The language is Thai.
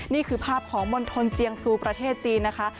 นี่คือภาพของมณฑลเจียงซูประเทศจีนนะคะ